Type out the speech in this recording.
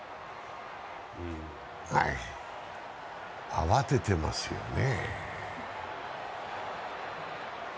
慌ててますよね。